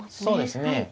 そうですね。